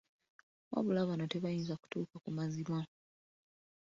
Wabula bano tebayinza kutuuka ku mazima.